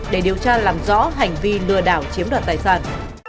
để điều tra làm rõ hành vi lừa đảo chiếm đoạt tài sản